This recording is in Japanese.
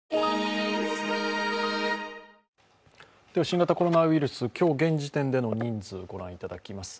新型コロナウイルス、今日現時点での人数を御覧いただきます。